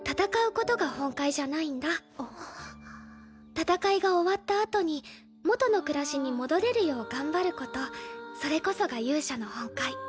戦いが終わったあとに元の暮らしに戻れるよう頑張ることそれこそが勇者の本懐。